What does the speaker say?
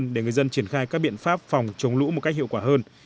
để người dân triển khai các biện pháp phòng chống lũ một cách hiệu quả hơn